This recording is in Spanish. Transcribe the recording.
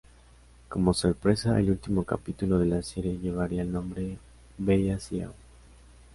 Como sorpresa, el último capítulo de la serie llevaría el nombre "Bella Ciao".